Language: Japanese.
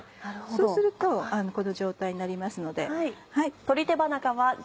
そうするとこの状態になりますので。